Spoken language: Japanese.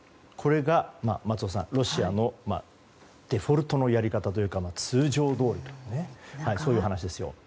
これが松尾さん、ロシアのデフォルトのやり方というか通常どおりという話ですよ。